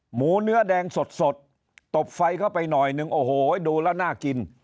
หมูเนื้อแดงสดตบไฟเข้าไปหน่อยนึงโอ้โหดูแล้วน่ากิน